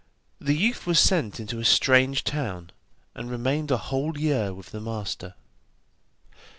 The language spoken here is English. The youth was sent into a strange town, and remained a whole year with the master.